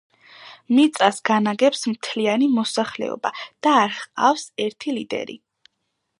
მიწას განაგებს მთლიანი მოსახლეობა და არ ჰყავთ ერთი ლიდერი.